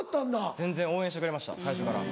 全然応援してくれました最初から。